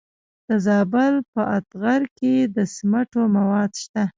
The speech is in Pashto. د زابل په اتغر کې د سمنټو مواد شته.